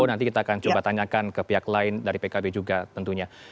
nanti kita akan coba tanyakan ke pihak lain dari pkb juga tentunya